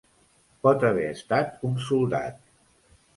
Pot haver estat un soldat.